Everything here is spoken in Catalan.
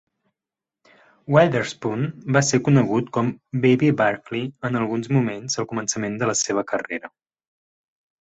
Weatherspoon va ser conegut com "Baby Barkley" en alguns moments al començament de la seva carrera.